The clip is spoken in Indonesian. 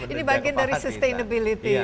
ini bagian dari sustainability